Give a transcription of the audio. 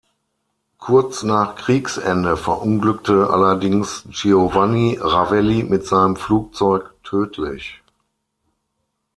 Kurz nach Kriegsende verunglückte allerdings Giovanni Ravelli mit seinem Flugzeug tödlich.